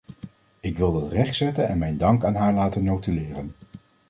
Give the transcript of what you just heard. Ik wil dat rechtzetten en mijn dank aan haar laten notuleren.